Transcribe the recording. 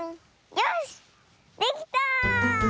よしできた！